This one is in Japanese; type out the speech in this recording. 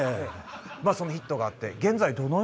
そのヒットがあって。